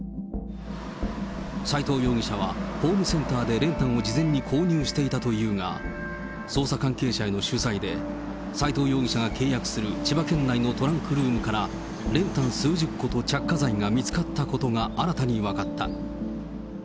斎藤容疑者はホームセンターで練炭を事前に購入していたというが、捜査関係者への取材で、斎藤容疑者が契約する千葉県内のトランクルームから、練炭数十個と着火剤が見つかったことが新たに分かった。